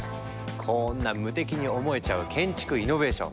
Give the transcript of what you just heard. こんな無敵に思えちゃう建築イノベーション。